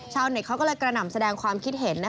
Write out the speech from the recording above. ชาวเน็ตเขาก็เลยกระหน่ำแสดงความคิดเห็น